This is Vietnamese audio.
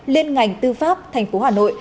liên ngành tư pháp tp hà nội